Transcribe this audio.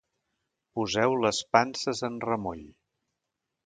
poseu les panses en remull